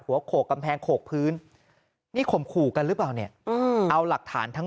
โขกกำแพงโขกพื้นนี่ข่มขู่กันหรือเปล่าเนี่ยเอาหลักฐานทั้ง